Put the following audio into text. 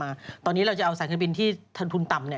ตอนนี้เราจะเอาสายการบินที่ทันทุนต่ำเนี่ย